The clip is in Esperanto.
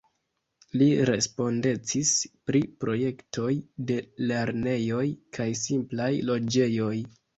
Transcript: Li respondecis pri projektoj de lernejoj kaj simplaj loĝejoj.